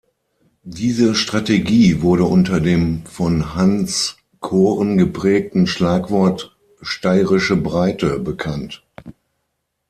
Diese Strategie wurde unter dem von Hanns Koren geprägten Schlagwort „"steirische Breite"“ bekannt.